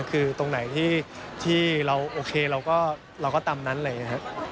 คือตรงไหนที่เราโอเคเราก็ตำนั้นเลยนะครับ